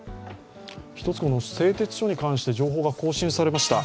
製鉄所に関して情報が更新されました。